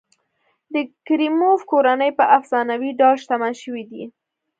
د کریموف کورنۍ په افسانوي ډول شتمن شوي دي.